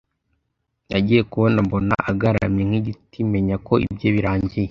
Nagiye kubona mbona agaramye nk’igiti menya ko ibye birangiye